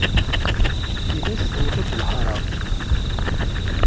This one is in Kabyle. Times tewweḍ-d lḥaṛa!